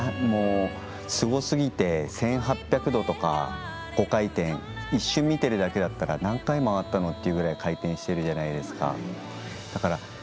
すごすぎて１８００度とか５回転、一瞬見ているだけなら何回、回ったのというぐらい回転しているじゃないですか。